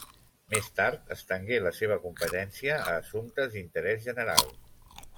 Més tard estengué la seva competència a assumptes d'interès general.